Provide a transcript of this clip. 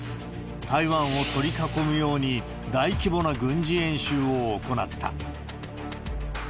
台湾を取り囲むように大規模な軍事演習を行った。